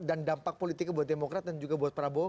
dan dampak politik buat demokrat dan juga buat prabowo